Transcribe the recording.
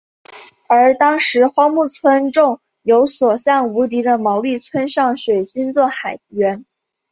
而当时荒木村重有所向无敌的毛利村上水军作海援。